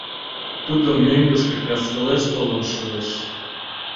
— Тудо мӧҥгышкӧ касвелеш толын шуэш.